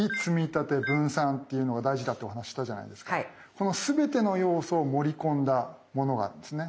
このすべての要素を盛り込んだものがあるんですね。